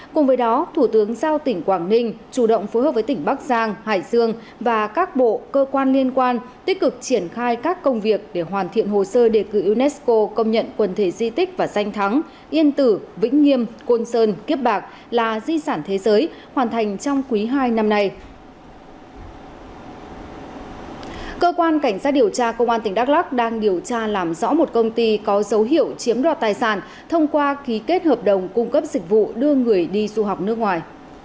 cơ quan cảnh sát điều tra công an tỉnh đắk lắc đang điều tra làm rõ một công ty có dấu hiệu chiếm đoạt tài sản thông qua ký kết hợp đồng cung cấp dịch vụ đưa người đi du học nước ngoài